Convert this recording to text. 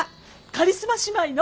カリスマ姉妹の。